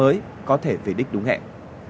dự án mới có thể về đích đúng hẹn